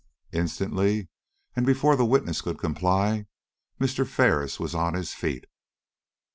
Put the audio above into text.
Instantly, and before the witness could comply, Mr. Ferris was on his feet.